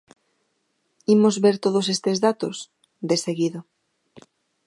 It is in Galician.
Imos ver todos estes datos, deseguido.